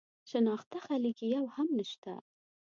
شناخته خلک یې یو هم نه شته.